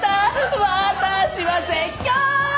「私は絶叫！」